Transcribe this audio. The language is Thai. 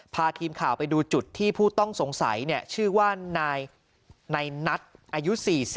พาทีมข่าวไปดูจุดที่ผู้ต้องสงสัยชื่อว่านายนัทอายุ๔๐